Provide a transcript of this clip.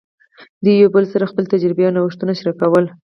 دوی یو بل سره خپلې تجربې او نوښتونه شریکول.